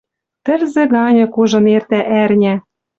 Тӹлзӹ ганьы кужын эртӓ ӓрня